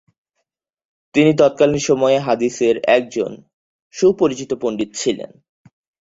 তিনি তৎকালীন সময়ে হাদিসের একজন সুপরিচিত পণ্ডিত ছিলেন।